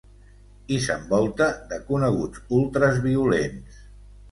I s’envolta de coneguts ultres violents.